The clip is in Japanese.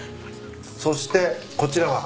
そしてこちらは？